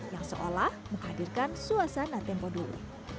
yang seolah menghadirkan suasana tempo dulu